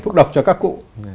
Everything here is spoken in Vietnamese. phúc độc cho các cụ